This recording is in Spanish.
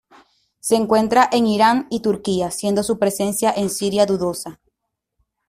Se encuentra en Irán y Turquía, siendo su presencia en Siria dudosa.